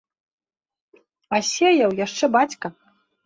А сеяў яшчэ бацька.